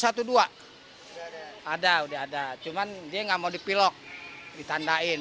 ada udah ada cuman dia nggak mau dipilok ditandain